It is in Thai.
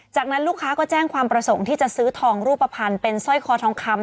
จากนั้นลูกค้าก็แจ้งความประสงค์ที่จะซื้อทองรูปภัณฑ์เป็นสร้อยคอทองคำ